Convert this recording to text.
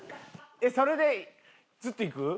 それでずっといく？